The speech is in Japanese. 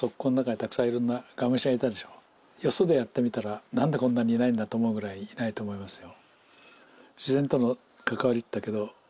よそでやってみたら何でこんなにいないだと思うぐらいいないと思いますよ。